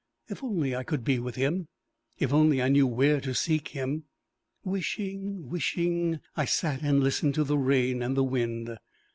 If only I could be with him! If only I knew where to seek him! Wishing, wishing, I sat and listened to the rain and the wind.